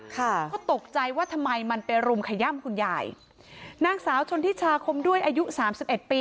เพราะตกใจว่าทำไมมันไปรุมขย้ำคุณยายนางสาวชนที่ชาคมด้วยอายุ๓๑ปี